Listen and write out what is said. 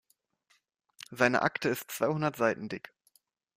Seine Akte ist zweihundert Seiten dick.